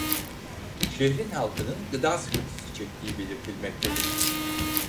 Şehrin halkının gıda sıkıntısı çektiği belirtilmektedir.